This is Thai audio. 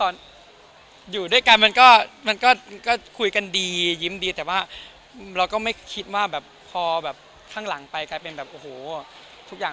แล้วก็คุยกันดียิ้มดีแต่ว่าเราก็ไม่คิดว่าพอข้างหลังไปกลายเป็นทุกอย่าง